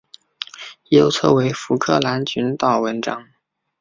右侧为福克兰群岛纹章。